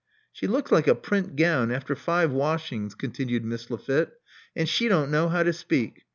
She looks like a print gown after five washings," continued Miss Lafitte; and she don't know how to speak.